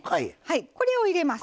これを入れます。